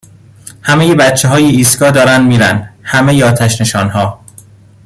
همهی بچههای ایستگاه دارن میرن همهی آتشنشانها